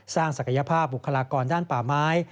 ศักยภาพบุคลากรด้านป่าไม้